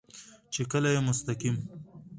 چې کله يې مستقيم